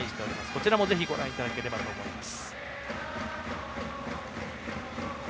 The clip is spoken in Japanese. こちらもぜひお楽しみいただければと思います。